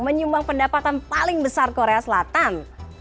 menyumbang pendapatan paling besar korea selatan